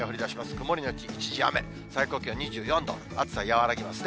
曇り後一時雨、最高気温２４度、暑さ和らぎますね。